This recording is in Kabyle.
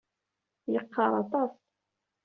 Yeqqaṛ aṭas.